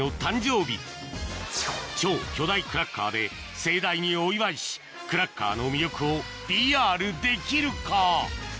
超巨大クラッカーで盛大にお祝いしクラッカーの魅力をＰＲできるか？